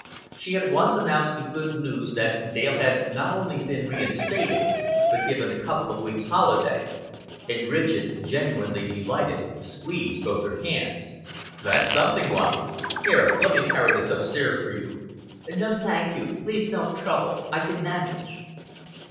She at once announced the good news that Dale had not only been reinstated, but given a couple of weeks' holiday; and Ridgett, genuinely delighted, squeezed both her hands. "That's something like. Here, let me carry this upstairs for you." "No, thank you, please don't trouble. I can manage."